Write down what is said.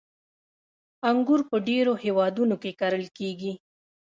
• انګور په ډېرو هېوادونو کې کرل کېږي.